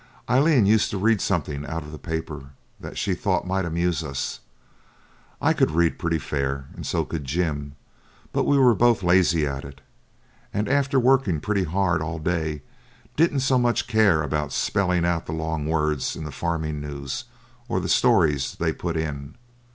Aileen used to read something out of the paper that she thought might amuse us. I could read pretty fair, and so could Jim; but we were both lazy at it, and after working pretty hard all day didn't so much care about spelling out the long words in the farming news or the stories they put in.